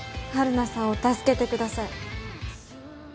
晴汝さんを助けてください。